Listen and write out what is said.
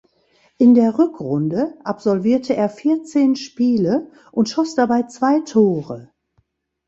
In der Rückrunde absolvierte er vierzehn Spiele und schoss dabei zwei Tore.